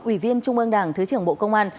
ủy viên trung ương đảng thứ trưởng bộ công an